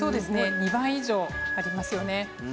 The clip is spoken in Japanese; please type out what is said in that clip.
２倍以上ありますよね。